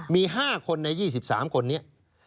มี๕คนใน๒๓คนนี้